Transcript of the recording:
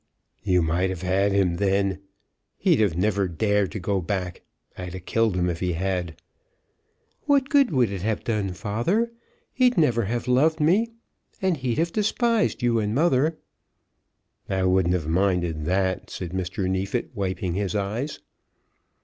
"You might have had him then. He'd 've never dared to go back. I'd a killed him if he had." "What good would it have done, father? He'd never have loved me, and he'd have despised you and mother." "I wouldn't 've minded that," said Mr. Neefit, wiping his eyes.